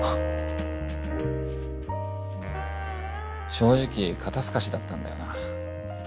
正直肩透かしだったんだよな。